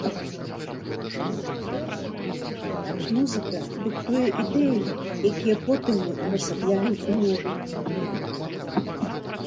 Музыка дыктуе ідэі, якія потым мы ўвасабляем у моду.